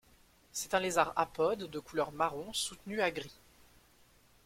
C'est un lézard apode de couleur marron soutenu à gris.